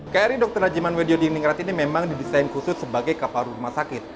kri dr rajiman wedio diningrat ini memang didesain khusus sebagai kapal rumah sakit